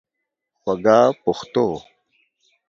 خوږه پښتو